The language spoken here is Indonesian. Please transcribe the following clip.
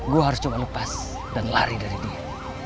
gue harus coba lepas dan lari dari dia